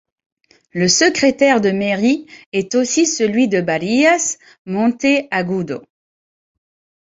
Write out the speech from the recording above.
Le secrétaire de mairie est aussi celui de Barillas, Monteagudo.